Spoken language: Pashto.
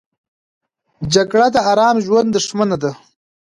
جګړه د آرام ژوند دښمنه ده